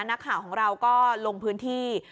นักข่าวของเราก็ลงพื้นที่